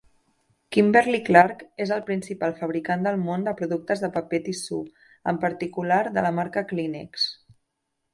Kimberly-Clark és el principal fabricant del món de productes de paper tissú, en particular de la marca Kleenex.